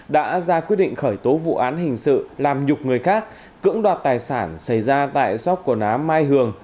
đã ra quyết định khởi tố vụ án hình sự làm nhục người khác cưỡng đoạt tài sản xảy ra tại sóc quần áo mai hường